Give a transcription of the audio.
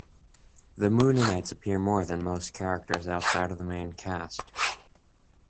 The Mooninites appear more than most characters outside of the main cast.